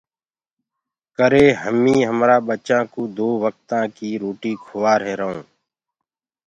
ڪري هميٚنٚ همرآ ٻچآنٚ ڪوٚ دو وڪتآنٚ ڪيٚ روُٽي کُواهيرآئونٚ۔